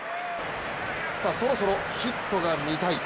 そろそろ、ヒットが見たい。